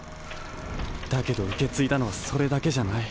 だけどうけついだのはそれだけじゃない。